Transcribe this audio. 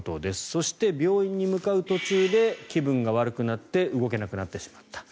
そして、病院に向かう途中で気分が悪くなって動けなくなってしまった。